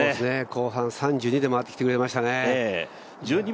後半３２で回ってきてくれましたね。